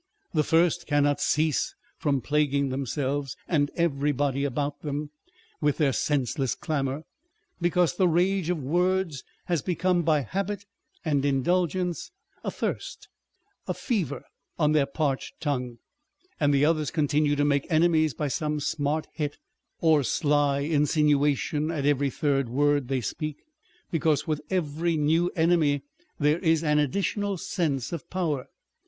The first cannot cease from plaguing them selves and everybody about them with their senseless clamour, because the rage of words has become by habit and indulgence a thirst, a fever on their parched tongue ; and the others continue to make enemies by some smart hit or sly insinuation at every third word they speak, because with every new enemy there is an additional sense of power.